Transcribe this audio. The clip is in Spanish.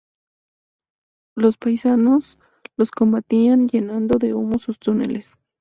Los paisanos las combatían llenando de humo sus túneles.